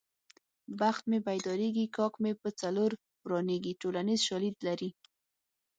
بخت مې پیدارېږي کاک مې په څلور روانېږي ټولنیز شالید لري